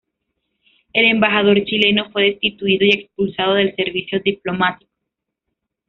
El embajador chileno fue destituido y expulsado del servicio diplomático.